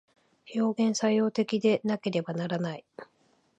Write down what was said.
表現作用的でなければならない。